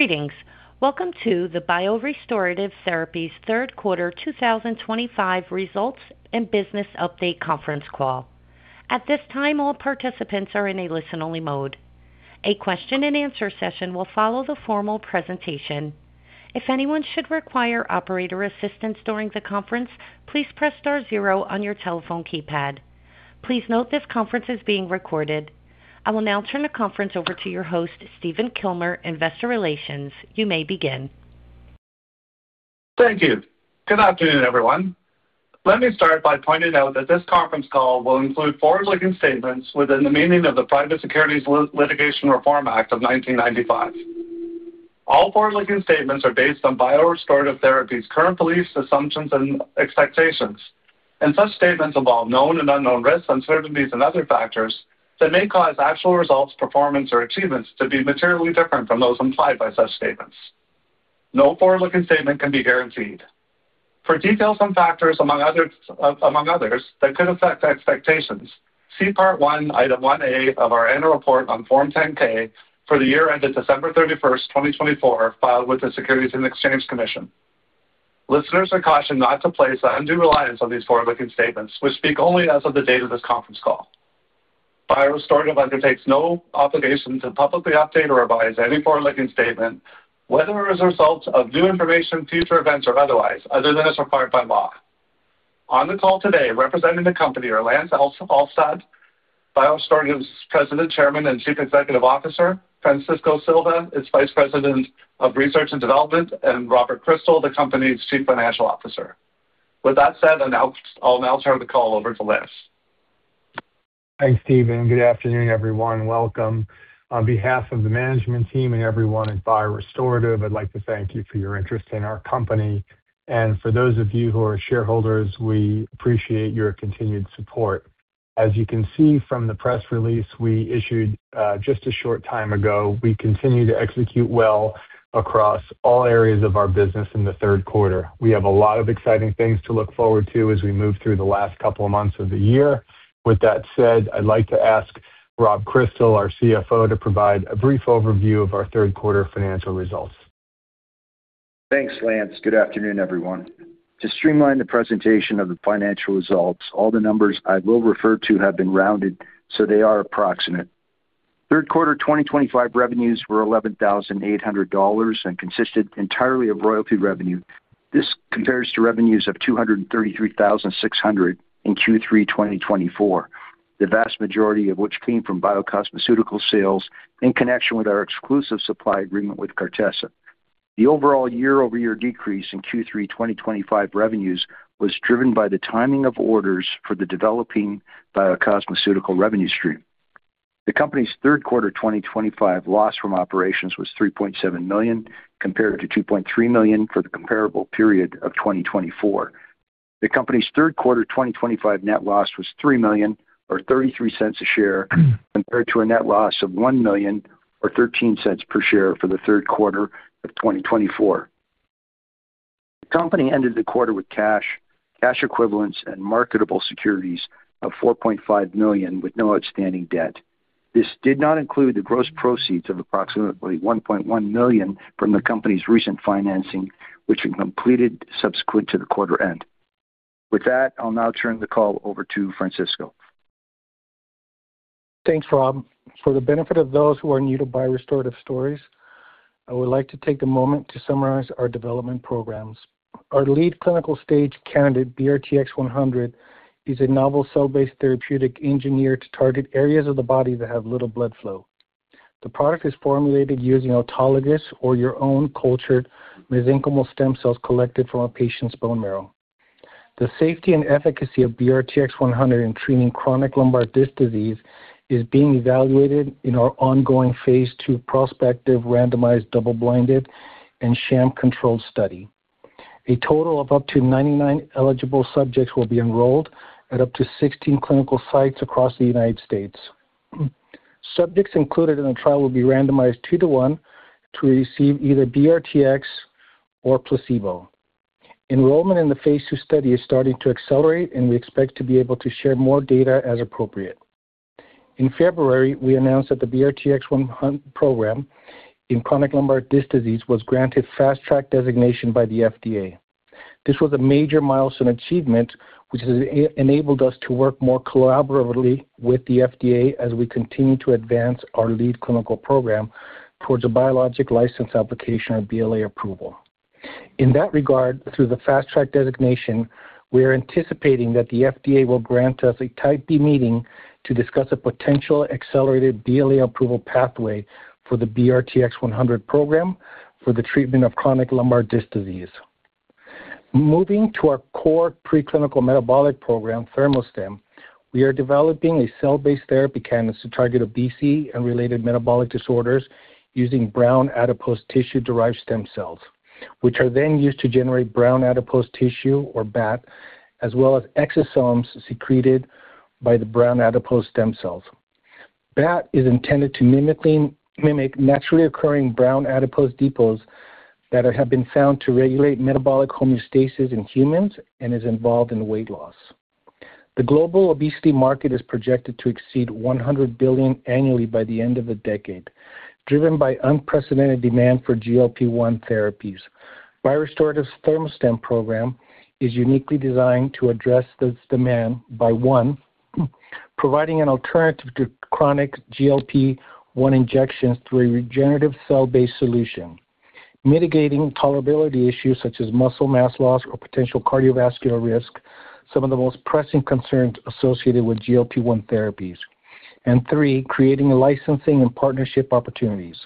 Greetings. Welcome to the BioRestorative Therapies Third Quarter 2025 Results and Business Update Conference Call. At this time, all participants are in a listen-only mode. A question-and-answer session will follow the formal presentation. If anyone should require operator assistance during the conference, please press star zero on your telephone keypad. Please note this conference is being recorded. I will now turn the conference over to your host, Stephen Kilmer, Investor Relations. You may begin. Thank you. Good afternoon, everyone. Let me start by pointing out that this conference call will include forward-looking statements within the meaning of the Private Securities Litigation Reform Act of 1995. All forward-looking statements are based on BioRestorative Therapies' current beliefs, assumptions, and expectations. Such statements involve known and unknown risks, uncertainties, and other factors that may cause actual results, performance, or achievements to be materially different from those implied by such statements. No forward-looking statement can be guaranteed. For details on factors, among others, that could affect expectations, see Part 1, Item 1A of our Annual Report on Form 10-K for the year ended December 31st, 2024, filed with the Securities and Exchange Commission. Listeners are cautioned not to place undue reliance on these forward-looking statements, which speak only as of the date of this conference call. BioRestorative undertakes no obligation to publicly update or revise any forward-looking statement, whether as a result of new information, future events, or otherwise, other than as required by law. On the call today, representing the company, are Lance Alstodt, BioRestorative's President, Chairman, and Chief Executive Officer, Francisco Silva, its Vice President of Research and Development, and Robert Kristal, the company's Chief Financial Officer. With that said, I'll now turn the call over to Lance. Thanks, Stephen. Good afternoon, everyone. Welcome. On behalf of the management team and everyone at BioRestorative Therapies, I'd like to thank you for your interest in our company. For those of you who are shareholders, we appreciate your continued support. As you can see from the press release we issued just a short time ago, we continue to execute well across all areas of our business in the third quarter. We have a lot of exciting things to look forward to as we move through the last couple of months of the year. With that said, I'd like to ask Robert Kristal, our CFO, to provide a brief overview of our third quarter financial results. Thanks, Lance. Good afternoon, everyone. To streamline the presentation of the financial results, all the numbers I will refer to have been rounded so they are approximate. Third quarter 2025 revenues were $11,800 and consisted entirely of royalty revenue. This compares to revenues of $233,600 in Q3 2024, the vast majority of which came from biocosmeceutical sales in connection with our exclusive supply agreement with Cartesa. The overall year-over-year decrease in Q3 2025 revenues was driven by the timing of orders for the developing biocosmeceutical revenue stream. The company's third quarter 2025 loss from operations was $3.7 million, compared to $2.3 million for the comparable period of 2024. The company's third quarter 2025 net loss was $3 million or $0.33 a share, compared to a net loss of $1 million or $0.13 per share for the third quarter of 2024. The company ended the quarter with cash, cash equivalents, and marketable securities of $4.5 million, with no outstanding debt. This did not include the gross proceeds of approximately $1.1 million from the company's recent financing, which was completed subsequent to the quarter end. With that, I'll now turn the call over to Francisco. Thanks, Rob. For the benefit of those who are new to BioRestorative Therapies, I would like to take a moment to summarize our development programs. Our lead clinical stage candidate, BRTX-100, is a novel cell-based therapeutic engineered to target areas of the body that have little blood flow. The product is formulated using autologous or your own cultured mesenchymal stem cells collected from a patient's bone marrow. The safety and efficacy of BRTX-100 in treating chronic lumbar disc disease is being evaluated in our ongoing phase II prospective randomized double-blinded and sham-controlled study. A total of up to 99 eligible subjects will be enrolled at up to 16 clinical sites across the United States. Subjects included in the trial will be randomized two-to-one to receive either BRTX-100 or placebo. Enrollment in the phase II study is starting to accelerate, and we expect to be able to share more data as appropriate. In February, we announced that the BRTX-100 program in chronic lumbar disc disease was granted fast-track designation by the FDA. This was a major milestone achievement, which has enabled us to work more collaboratively with the FDA as we continue to advance our lead clinical program towards a biologic license application or BLA approval. In that regard, through the fast-track designation, we are anticipating that the FDA will grant us a Type B meeting to discuss a potential accelerated BLA approval pathway for the BRTX-100 program for the treatment of chronic lumbar disc disease. Moving to our core preclinical metabolic program, ThermoSTEM, we are developing a cell-based therapy canvas to target obesity and related metabolic disorders using brown adipose tissue-derived stem cells, which are then used to generate brown adipose tissue, or BAT, as well as exosomes secreted by the brown adipose stem cells. BAT is intended to mimic naturally occurring brown adipose depots that have been found to regulate metabolic homeostasis in humans and is involved in weight loss. The global obesity market is projected to exceed $100 billion annually by the end of the decade, driven by unprecedented demand for GLP-1 therapies. BioRestorative's ThermoSTEM program is uniquely designed to address this demand by, one, providing an alternative to chronic GLP-1 injections through a regenerative cell-based solution, mitigating tolerability issues such as muscle mass loss or potential cardiovascular risk, some of the most pressing concerns associated with GLP-1 therapies, and, three, creating licensing and partnership opportunities.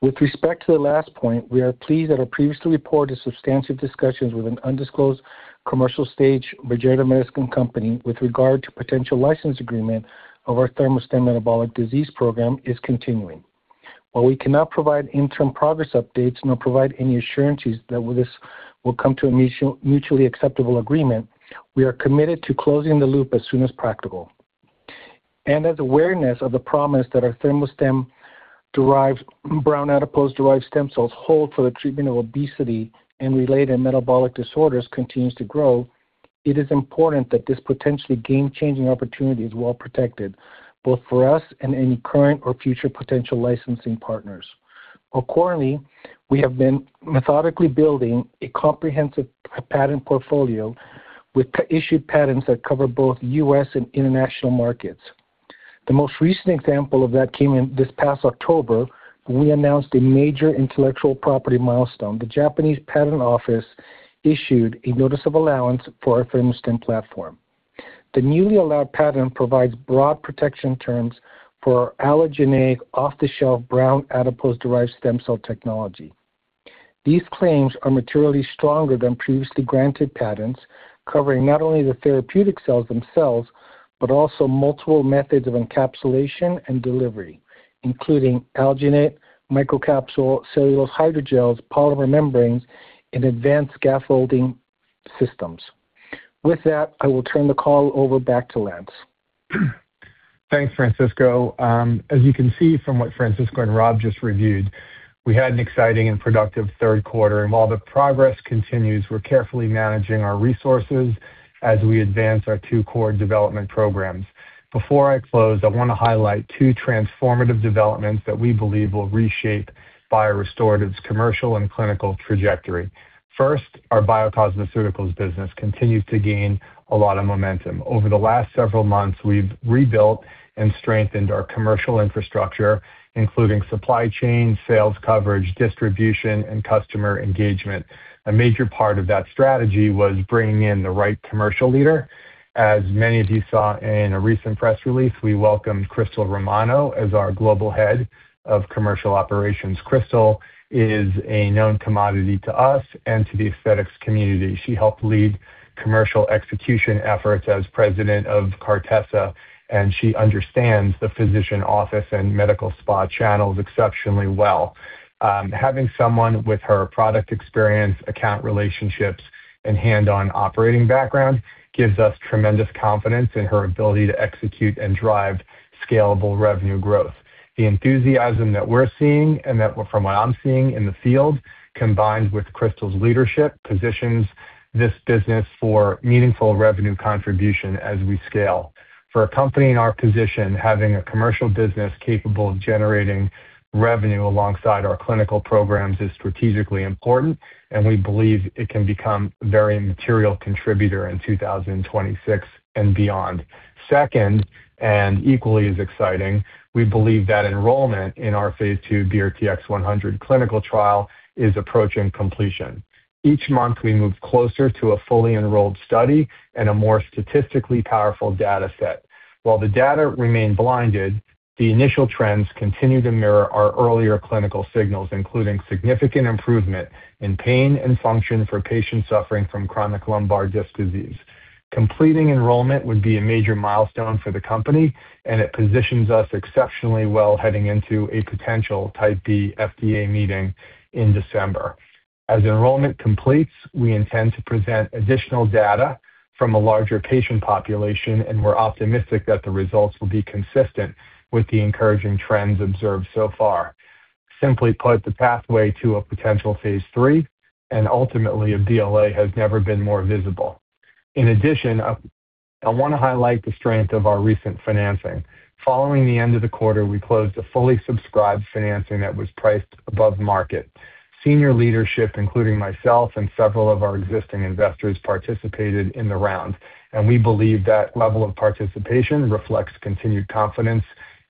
With respect to the last point, we are pleased that our previously reported substantive discussions with an undisclosed commercial stage regenerative medicine company with regard to potential license agreement of our ThermoSTEM metabolic disease program is continuing. While we cannot provide interim progress updates nor provide any assurances that this will come to a mutually acceptable agreement, we are committed to closing the loop as soon as practical. As awareness of the promise that our ThermoStem derived brown adipose-derived stem cells hold for the treatment of obesity and related metabolic disorders continues to grow, it is important that this potentially game-changing opportunity is well protected, both for us and any current or future potential licensing partners. Accordingly, we have been methodically building a comprehensive patent portfolio with issued patents that cover both U.S. and international markets. The most recent example of that came in this past October, when we announced a major intellectual property milestone. The Japanese patent office issued a notice of allowance for our ThermoStem platform. The newly allowed patent provides broad protection terms for our allogeneic off-the-shelf brown adipose-derived stem cell technology. These claims are materially stronger than previously granted patents, covering not only the therapeutic cells themselves but also multiple methods of encapsulation and delivery, including alginate, microcapsule, cellulose hydrogels, polymer membranes, and advanced scaffolding systems. With that, I will turn the call over back to Lance. Thanks, Francisco. As you can see from what Francisco and Rob just reviewed, we had an exciting and productive third quarter. While the progress continues, we're carefully managing our resources as we advance our two core development programs. Before I close, I want to highlight two transformative developments that we believe will reshape BioRestorative's commercial and clinical trajectory. First, our biocosmeceuticals business continues to gain a lot of momentum. Over the last several months, we've rebuilt and strengthened our commercial infrastructure, including supply chain, sales coverage, distribution, and customer engagement. A major part of that strategy was bringing in the right commercial leader. As many of you saw in a recent press release, we welcomed Crystal Romano as our Global Head of Commercial Operations. Crystal is a known commodity to us and to the aesthetics community. She helped lead commercial execution efforts as President of Cartessa, and she understands the physician office and medical spa channels exceptionally well. Having someone with her product experience, account relationships, and hands-on operating background gives us tremendous confidence in her ability to execute and drive scalable revenue growth. The enthusiasm that we're seeing and that, from what I'm seeing in the field, combined with Crystal's leadership, positions this business for meaningful revenue contribution as we scale. For a company in our position, having a commercial business capable of generating revenue alongside our clinical programs is strategically important, and we believe it can become a very material contributor in 2026 and beyond. Second, and equally as exciting, we believe that enrollment in our phase II BRTX-100 clinical trial is approaching completion. Each month, we move closer to a fully enrolled study and a more statistically powerful data set. While the data remain blinded, the initial trends continue to mirror our earlier clinical signals, including significant improvement in pain and function for patients suffering from chronic lumbar disc disease. Completing enrollment would be a major milestone for the company, and it positions us exceptionally well heading into a potential Type B FDA meeting in December. As enrollment completes, we intend to present additional data from a larger patient population, and we're optimistic that the results will be consistent with the encouraging trends observed so far. Simply put, the pathway to a potential phase III and ultimately a BLA has never been more visible. In addition, I want to highlight the strength of our recent financing. Following the end of the quarter, we closed a fully subscribed financing that was priced above market. Senior leadership, including myself and several of our existing investors, participated in the round, and we believe that level of participation reflects continued confidence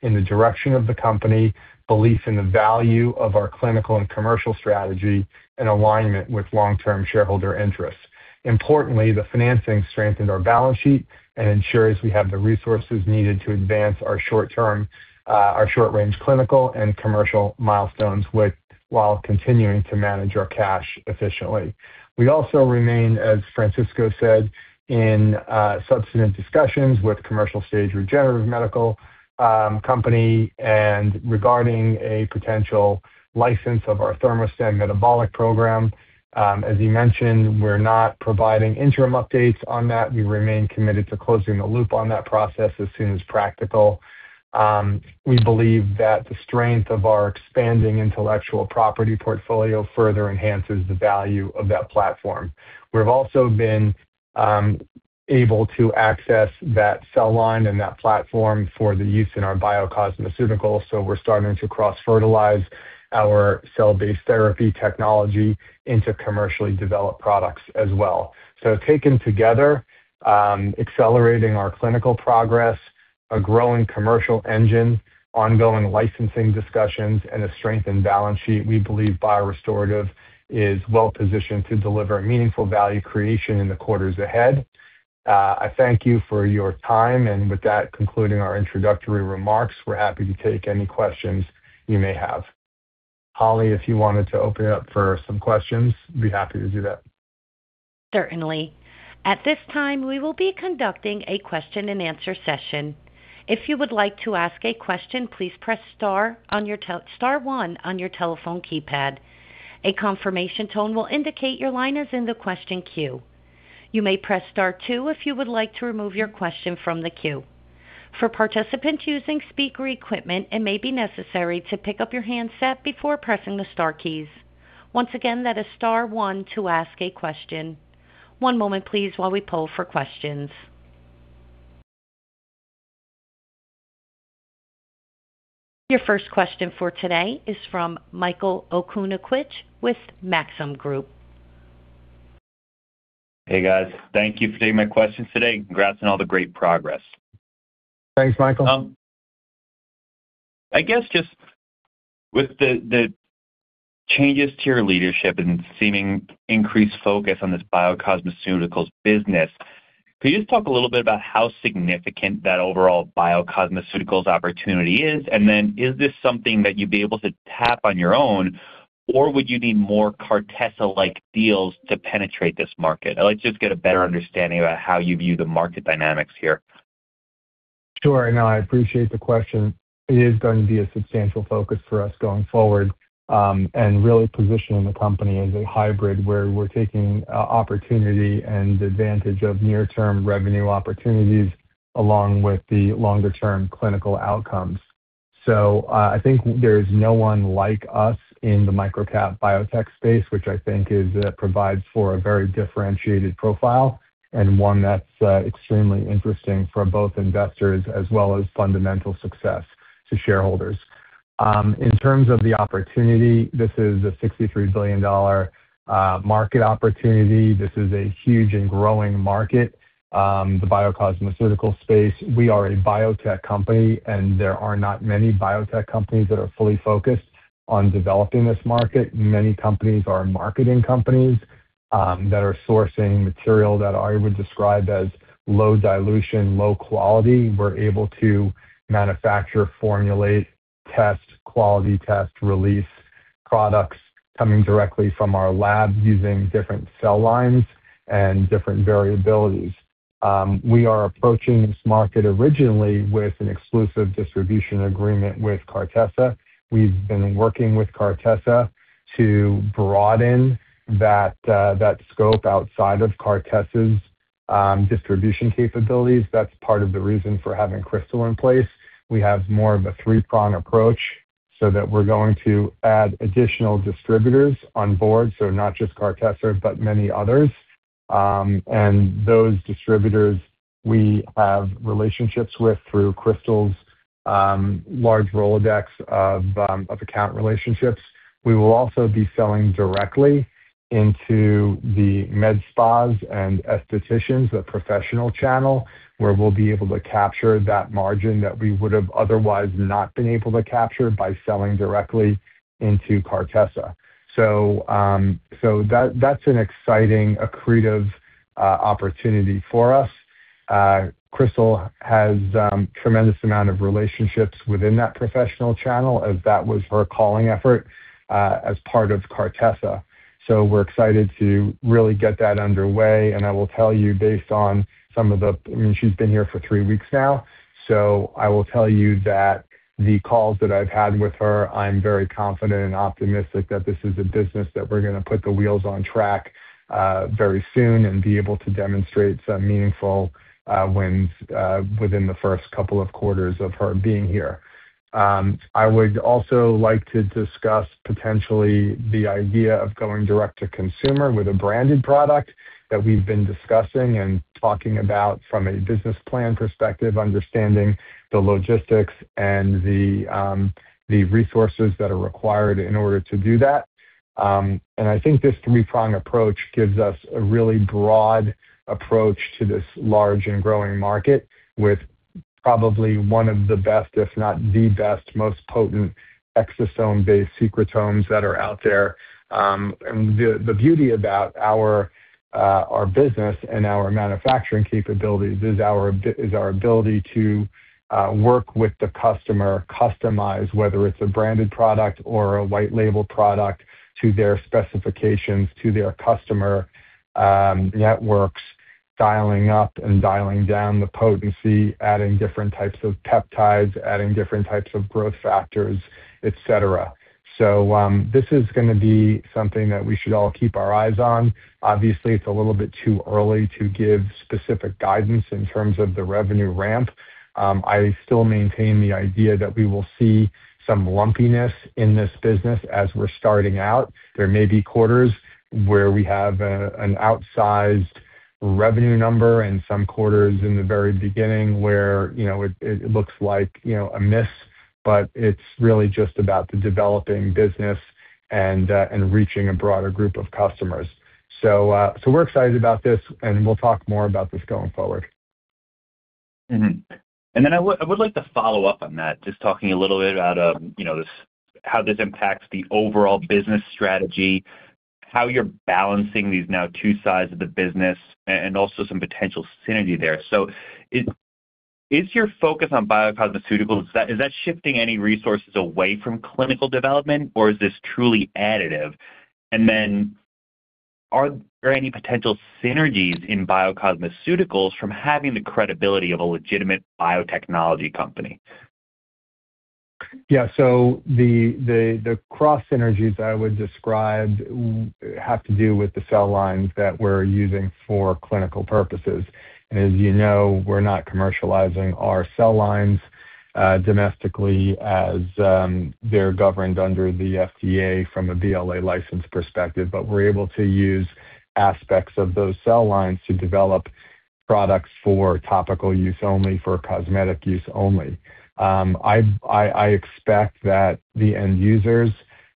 in the direction of the company, belief in the value of our clinical and commercial strategy, and alignment with long-term shareholder interests. Importantly, the financing strengthened our balance sheet and ensures we have the resources needed to advance our short-term, our short-range clinical and commercial milestones while continuing to manage our cash efficiently. We also remain, as Francisco said, in substantive discussions with commercial stage regenerative medical company regarding a potential license of our ThermoStem metabolic program. As he mentioned, we're not providing interim updates on that. We remain committed to closing the loop on that process as soon as practical. We believe that the strength of our expanding intellectual property portfolio further enhances the value of that platform. We've also been able to access that cell line and that platform for the use in our biocosmeceuticals, so we're starting to cross-fertilize our cell-based therapy technology into commercially developed products as well. Taken together, accelerating our clinical progress, a growing commercial engine, ongoing licensing discussions, and a strengthened balance sheet, we believe BioRestorative is well positioned to deliver meaningful value creation in the quarters ahead. I thank you for your time, and with that concluding our introductory remarks, we're happy to take any questions you may have. Holly, if you wanted to open it up for some questions, we'd be happy to do that. Certainly. At this time, we will be conducting a question-and-answer session. If you would like to ask a question, please press star one on your telephone keypad. A confirmation tone will indicate your line is in the question queue. You may press star two if you would like to remove your question from the queue. For participants using speaker equipment, it may be necessary to pick up your handset before pressing the star keys. Once again, that is star one to ask a question. One moment, please, while we poll for questions. Your first question for today is from Michael Okunewitch with Maxim Group. Hey, guys. Thank you for taking my questions today and congrats on all the great progress. Thanks, Michael. I guess just with the changes to your leadership and seeming increased focus on this biocosmeceuticals business, could you just talk a little bit about how significant that overall biocosmeceuticals opportunity is? Is this something that you'd be able to tap on your own, or would you need more Cartessa-like deals to penetrate this market? I'd like to just get a better understanding about how you view the market dynamics here. Sure. No, I appreciate the question. It is going to be a substantial focus for us going forward and really positioning the company as a hybrid where we're taking opportunity and advantage of near-term revenue opportunities along with the longer-term clinical outcomes. I think there is no one like us in the microcap biotech space, which I think provides for a very differentiated profile and one that's extremely interesting for both investors as well as fundamental success to shareholders. In terms of the opportunity, this is a $63 billion market opportunity. This is a huge and growing market, the biocosmeceutical space. We are a biotech company, and there are not many biotech companies that are fully focused on developing this market. Many companies are marketing companies that are sourcing material that I would describe as low dilution, low quality. We're able to manufacture, formulate, test, quality test, release products coming directly from our lab using different cell lines and different variabilities. We are approaching this market originally with an exclusive distribution agreement with Cartessa. We've been working with Cartessa to broaden that scope outside of Cartessa's distribution capabilities. That's part of the reason for having Crystal in place. We have more of a three-prong approach so that we're going to add additional distributors on board, so not just Cartessa, but many others. And those distributors we have relationships with through Crystal's large rolodex of account relationships. We will also be selling directly into the med spas and estheticians, the professional channel, where we'll be able to capture that margin that we would have otherwise not been able to capture by selling directly into Cartessa. That's an exciting, accretive opportunity for us. Crystal has a tremendous amount of relationships within that professional channel as that was her calling effort as part of Cartessa. We are excited to really get that underway. I will tell you, based on some of the—I mean, she has been here for three weeks now. I will tell you that the calls that I have had with her, I am very confident and optimistic that this is a business that we are going to put the wheels on track very soon and be able to demonstrate some meaningful wins within the first couple of quarters of her being here. I would also like to discuss potentially the idea of going direct-to-consumer with a branded product that we have been discussing and talking about from a business plan perspective, understanding the logistics and the resources that are required in order to do that. I think this three-prong approach gives us a really broad approach to this large and growing market with probably one of the best, if not the best, most potent exosome-based secretomes that are out there. The beauty about our business and our manufacturing capabilities is our ability to work with the customer, customize whether it's a branded product or a white-label product to their specifications, to their customer networks, dialing up and dialing down the potency, adding different types of peptides, adding different types of growth factors, etc. This is going to be something that we should all keep our eyes on. Obviously, it's a little bit too early to give specific guidance in terms of the revenue ramp. I still maintain the idea that we will see some lumpiness in this business as we're starting out. There may be quarters where we have an outsized revenue number and some quarters in the very beginning where it looks like a miss, but it's really just about the developing business and reaching a broader group of customers. We are excited about this, and we'll talk more about this going forward. I would like to follow up on that, just talking a little bit about how this impacts the overall business strategy, how you're balancing these now two sides of the business, and also some potential synergy there. Is your focus on biocosmeceuticals, is that shifting any resources away from clinical development, or is this truly additive? Are there any potential synergies in biocosmeceuticals from having the credibility of a legitimate biotechnology company? Yeah. The cross synergies I would describe have to do with the cell lines that we're using for clinical purposes. As you know, we're not commercializing our cell lines domestically as they're governed under the FDA from a BLA license perspective, but we're able to use aspects of those cell lines to develop products for topical use only, for cosmetic use only. I expect that the end users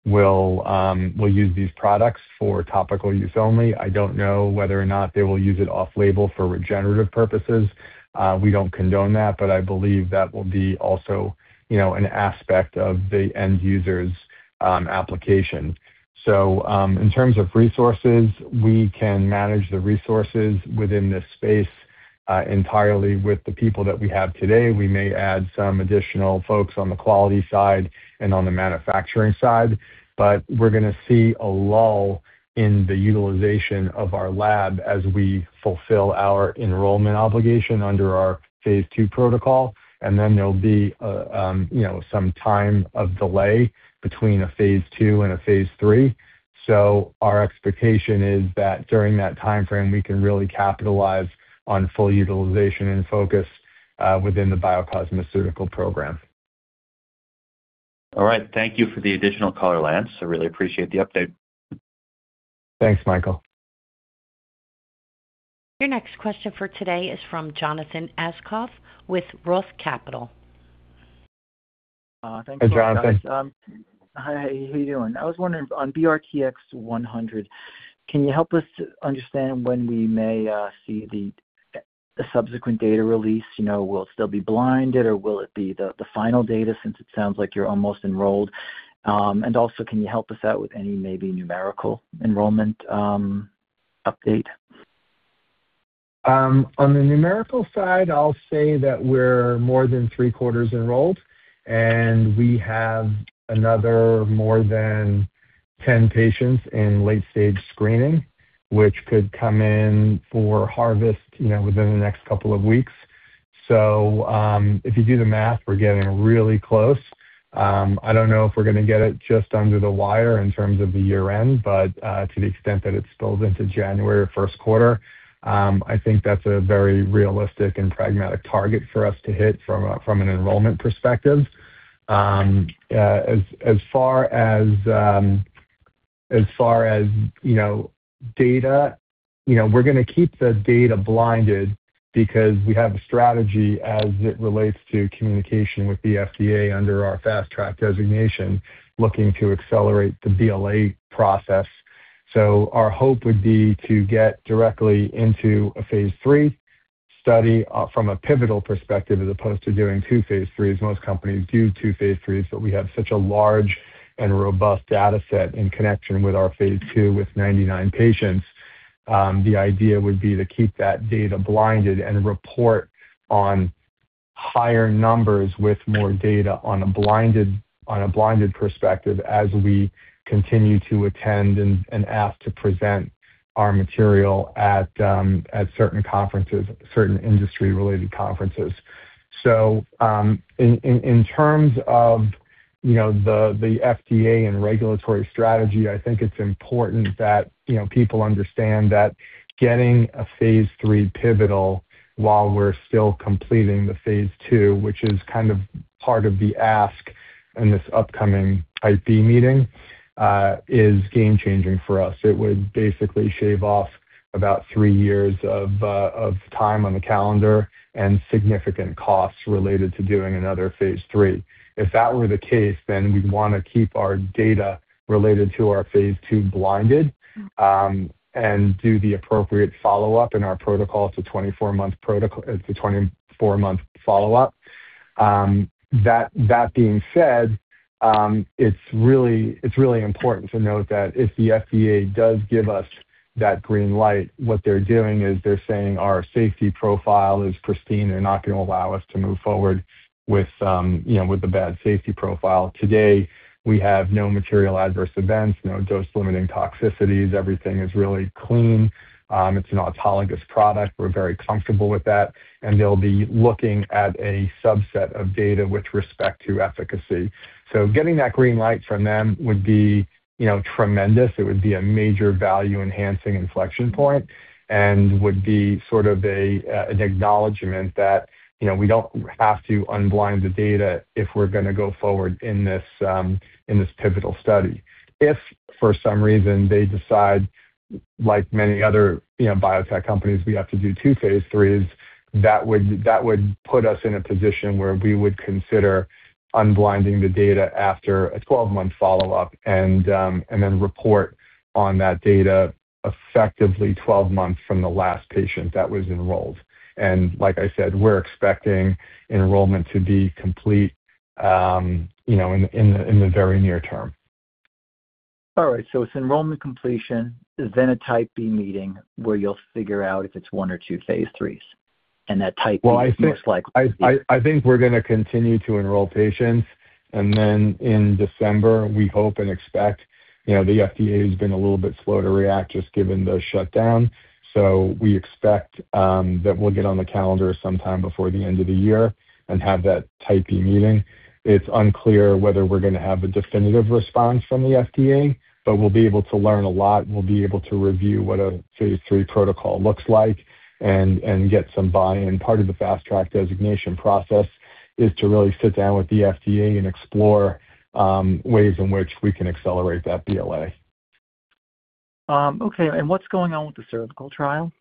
will use these products for topical use only. I don't know whether or not they will use it off-label for regenerative purposes. We don't condone that, but I believe that will be also an aspect of the end user's application. In terms of resources, we can manage the resources within this space entirely with the people that we have today. We may add some additional folks on the quality side and on the manufacturing side, but we're going to see a lull in the utilization of our lab as we fulfill our enrollment obligation under our phase II protocol. There'll be some time of delay between a phase II and a phase III. Our expectation is that during that timeframe, we can really capitalize on full utilization and focus within the biocosmeceutical program. All right. Thank you for the additional color, Lance. I really appreciate the update. Thanks, Michael. Your next question for today is from Jonathan Aschoff with Roth Capital. Thanks so much, Lance. Hi, Jonathan. Hi. How are you doing? I was wondering, on BRTX-100, can you help us understand when we may see the subsequent data release? Will it still be blinded, or will it be the final data since it sounds like you're almost enrolled? Also, can you help us out with any maybe numerical enrollment update? On the numerical side, I'll say that we're more than three quarters enrolled, and we have another more than 10 patients in late-stage screening, which could come in for harvest within the next couple of weeks. If you do the math, we're getting really close. I don't know if we're going to get it just under the wire in terms of the year-end, but to the extent that it spills into January or first quarter, I think that's a very realistic and pragmatic target for us to hit from an enrollment perspective. As far as data, we're going to keep the data blinded because we have a strategy as it relates to communication with the FDA under our fast-track designation, looking to accelerate the BLA process. Our hope would be to get directly into a phase III study from a pivotal perspective as opposed to doing two phase IIIs. Most companies do two phase IIIs, but we have such a large and robust dataset in connection with our phase II with 99 patients. The idea would be to keep that data blinded and report on higher numbers with more data on a blinded perspective as we continue to attend and ask to present our material at certain conferences, certain industry-related conferences. In terms of the FDA and regulatory strategy, I think it's important that people understand that getting a phase III pivotal while we're still completing the phase II, which is kind of part of the ask in this upcoming IP meeting, is game-changing for us. It would basically shave off about three years of time on the calendar and significant costs related to doing another phase III. If that were the case, then we'd want to keep our data related to our phase II blinded and do the appropriate follow-up in our protocol to 24-month follow-up. That being said, it's really important to note that if the FDA does give us that green light, what they're doing is they're saying our safety profile is pristine and not going to allow us to move forward with the bad safety profile. Today, we have no material adverse events, no dose-limiting toxicities. Everything is really clean. It's an autologous product. We're very comfortable with that. They'll be looking at a subset of data with respect to efficacy. Getting that green light from them would be tremendous. It would be a major value-enhancing inflection point and would be sort of an acknowledgment that we don't have to unblind the data if we're going to go forward in this pivotal study. If for some reason they decide, like many other biotech companies, we have to do two phase IIIs, that would put us in a position where we would consider unblinding the data after a 12-month follow-up and then report on that data effectively 12 months from the last patient that was enrolled. Like I said, we're expecting enrollment to be complete in the very near term. All right. So it's enrollment completion, then a Type B meeting where you'll figure out if it's one or two phase IIIs and that Type B meeting looks like. I think we're going to continue to enroll patients. In December, we hope and expect. The FDA has been a little bit slow to react just given the shutdown. We expect that we'll get on the calendar sometime before the end of the year and have that Type B meeting. It's unclear whether we're going to have a definitive response from the FDA, but we'll be able to learn a lot. We'll be able to review what a phase III protocol looks like and get some buy-in. Part of the fast-track designation process is to really sit down with the FDA and explore ways in which we can accelerate that BLA. Okay. What's going on with the cervical trial?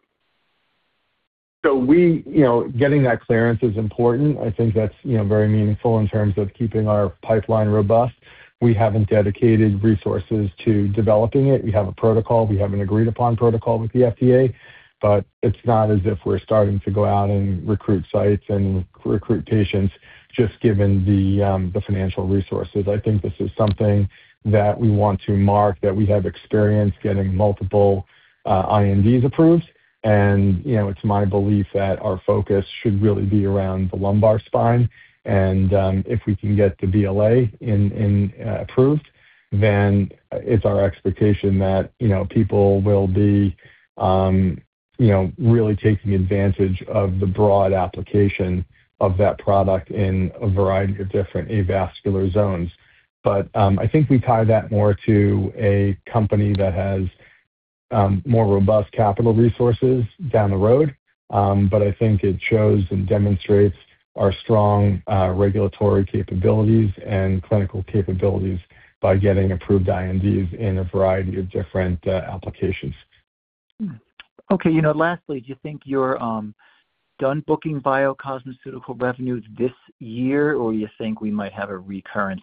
Getting that clearance is important. I think that's very meaningful in terms of keeping our pipeline robust. We haven't dedicated resources to developing it. We have a protocol. We have an agreed-upon protocol with the FDA, but it's not as if we're starting to go out and recruit sites and recruit patients just given the financial resources. I think this is something that we want to mark that we have experience getting multiple INDs approved. It's my belief that our focus should really be around the lumbar spine. If we can get the BLA approved, then it's our expectation that people will be really taking advantage of the broad application of that product in a variety of different avascular zones. I think we tie that more to a company that has more robust capital resources down the road. I think it shows and demonstrates our strong regulatory capabilities and clinical capabilities by getting approved INDs in a variety of different applications. Okay. Lastly, do you think you're done booking biocosmeceutical revenues this year, or do you think we might have a recurrence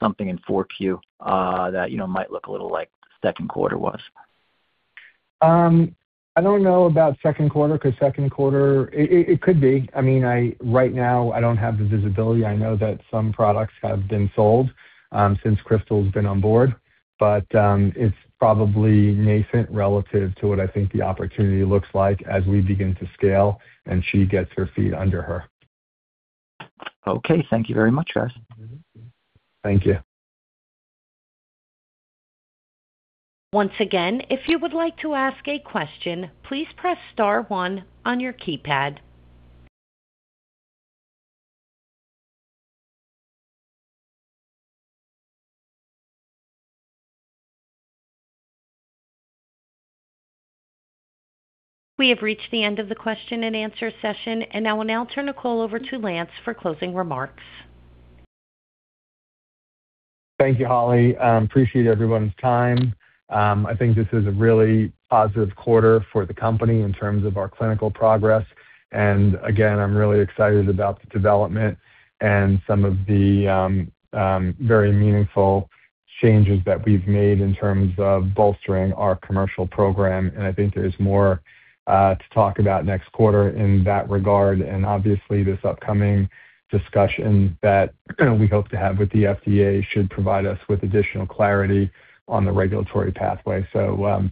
of something in Q4 that might look a little like second quarter was? I don't know about second quarter because second quarter, it could be. I mean, right now, I don't have the visibility. I know that some products have been sold since Crystal's been on board, but it's probably nascent relative to what I think the opportunity looks like as we begin to scale and she gets her feet under her. Okay. Thank you very much, guys. Thank you. Once again, if you would like to ask a question, please press star one on your keypad. We have reached the end of the question and answer session, and I will now turn the call over to Lance for closing remarks. Thank you, Holly. I appreciate everyone's time. I think this is a really positive quarter for the company in terms of our clinical progress. I am really excited about the development and some of the very meaningful changes that we've made in terms of bolstering our commercial program. I think there's more to talk about next quarter in that regard. Obviously, this upcoming discussion that we hope to have with the FDA should provide us with additional clarity on the regulatory pathway.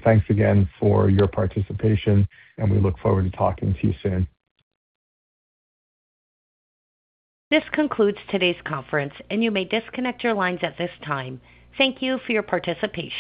Thanks again for your participation, and we look forward to talking to you soon. This concludes today's conference, and you may disconnect your lines at this time. Thank you for your participation.